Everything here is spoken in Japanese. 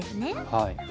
はい。